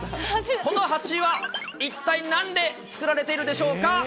この鉢は、一体なんで作られているでしょうか？